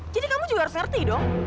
jadi kamu juga harus ngerti dong